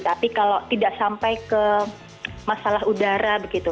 tapi kalau tidak sampai ke masalah udara begitu